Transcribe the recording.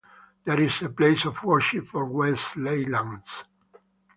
There is a place of worship for Wesleyans.